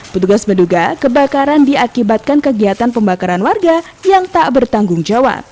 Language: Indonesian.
petugas menduga kebakaran diakibatkan kegiatan pembakaran warga yang tak bertanggung jawab